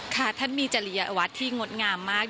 ค่ะท่านมีจริยวัตรที่งดงามมาก